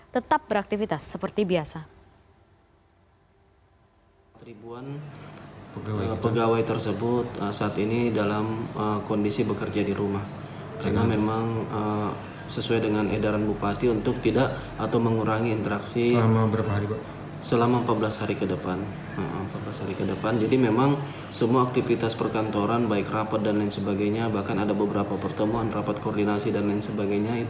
tetap beraktivitas seperti biasa